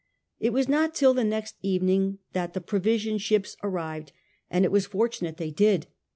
It was not till the next evening that the provision ships arrived, and it was fortunate they did.